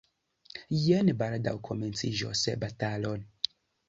Jen baldaŭ komenciĝos batalo.